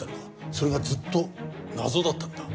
それがずっと謎だったんだ。